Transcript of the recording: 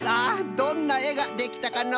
どんなえができたかのう？